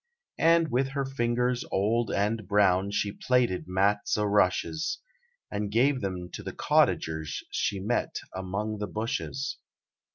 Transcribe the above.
And with her fingers old and brown She plaited Mats o' Rushes, And gave them to the Cottagers She met among the Bushes.